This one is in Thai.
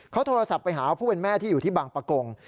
เขาโทรศัพท์ไปหาผู้เป็นแม่ที่อยู่ที่บางประกง